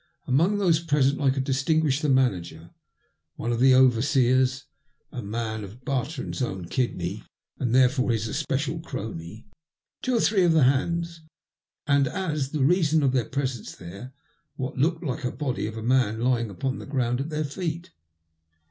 Among those present I could distinguish the manager, one of the overseers (a man of Bartrand's own 1 MT CHANCE IN LIFE. 9 kidney, and therefore his especial crony), two or three of the hands, and, as the reason of their presence there, what looked like the body of a man lying npon the ground at their feet.